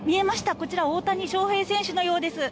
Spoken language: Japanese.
こちら大谷翔平選手のようです。